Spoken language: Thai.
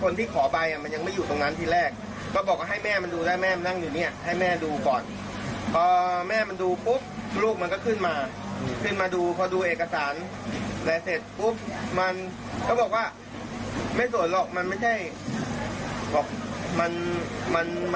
รอบแรกรอบแรกต่อยแต่หลายมัดอยู่ผมสู้มันไม่ได้หรอกมันตัวใหญ่กว่า